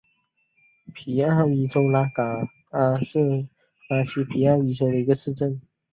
皮奥伊州拉戈阿是巴西皮奥伊州的一个市镇。